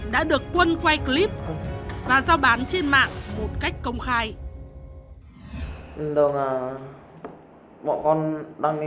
đã được quân quay clip và giao bán trên mạng một cách công khai